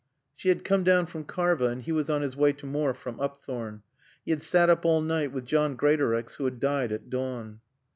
She had come down from Karva, and he was on his way to Morfe from Upthorne. He had sat up all night with John Greatorex who had died at dawn.